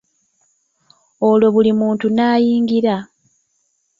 Olwo buli muntu n'ayingira.